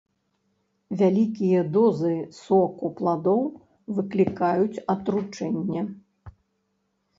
Вялікія дозы соку пладоў выклікаюць атручэнне.